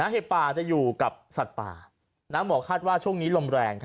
เห็บป่าจะอยู่กับสัตว์ป่าหมอคาดว่าช่วงนี้ลมแรง